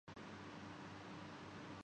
کھانا کھانے کے بعد ایک گروہ تھک چکا تھا